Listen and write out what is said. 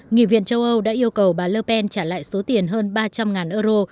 nghị viện châu âu đã yêu cầu bà le pen trả lại số tiền hơn ba trăm linh euro